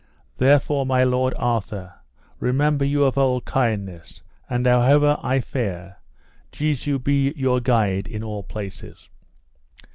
Therefore, my lord Arthur, remember you of old kindness; and however I fare, Jesu be your guide in all places.